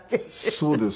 そうです。